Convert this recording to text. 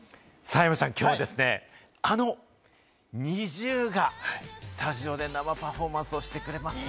山ちゃん、きょうはですね、あのＮｉｚｉＵがスタジオで生パフォーマンスをしてくれますよ。